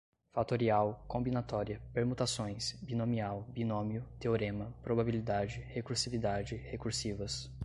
fatorial, combinatória, permutações, binomial, binômio, teorema, probabilidade, recursividade, recursivas